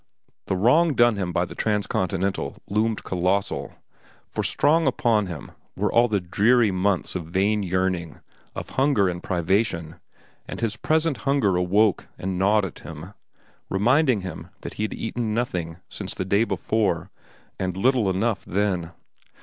The wrong done him by the Transcontinental loomed colossal, for strong upon him were all the dreary months of vain yearning, of hunger and privation, and his present hunger awoke and gnawed at him, reminding him that he had eaten nothing since the day before, and little enough then.